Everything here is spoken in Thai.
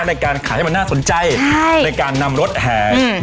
ในการขายให้มันน่าสนใจในการนำรถแห่